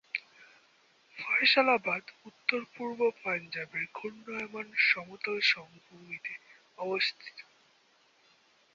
ফয়সালাবাদ উত্তর-পূর্ব পাঞ্জাবের ঘূর্ণায়মান সমতল সমভূমিতে অবস্থিত।